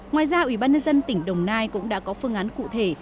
ngoài ra ủy ban nhân dân tỉnh đồng nai cũng đã có phương án cụ thể